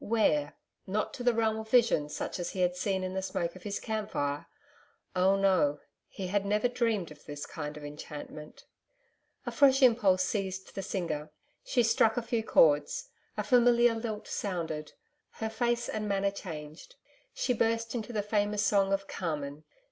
Where? .... Not to the realm of visions such as he had seen in the smoke of his camp fire. Oh no. He had never dreamed of this kind of enchantment. A fresh impulse seized the singer. She struck a few chords. A familiar lilt sounded. Her face and manner changed. She burst into the famous song of CARMEN.